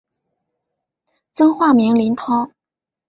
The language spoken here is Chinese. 曾化名林涛。